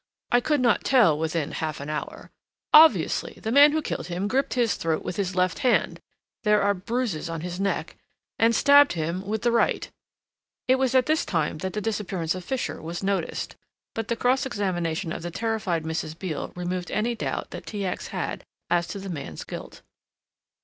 "I could not tell within half an hour. Obviously the man who killed him gripped his throat with his left hand there are the bruises on his neck and stabbed him with the right." It was at this time that the disappearance of Fisher was noticed, but the cross examination of the terrified Mrs. Beale removed any doubt that T. X. had as to the man's guilt.